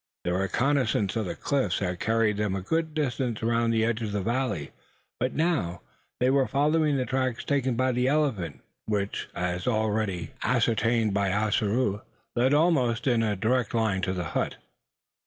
The reconnoissance of the cliffs had carried them a good distance around the edge of the valley; but now they were following the track taken by the elephant, which, as already ascertained by Ossaroo, led almost in a direct line to the hut.